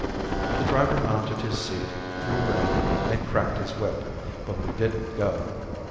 The driver mounted his seat, drew rein and cracked his whip, but we didn't go.